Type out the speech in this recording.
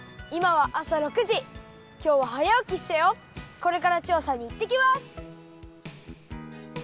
これからちょうさにいってきます！